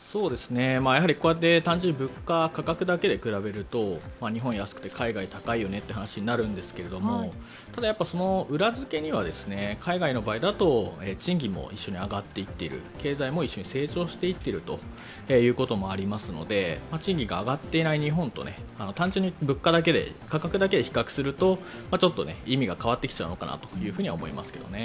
こうやって単純に価格だけで比べると日本は安くて海外は高いよねという話になるんですけれども、ただ、裏付けには、海外の場合だと賃金も一緒に上がってきている、経済も成長しているということがありますので賃金が上がっていない日本と単純に物価だけで、価格だけで比較をすると意味が変わってきちゃうのかなと思いますけどね。